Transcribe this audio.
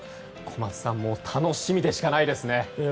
小松さんもう楽しみでしかないですね。